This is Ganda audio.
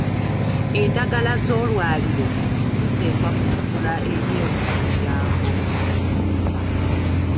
Endagala z’olwaliiro ziteekwa kutunula eri omulyango.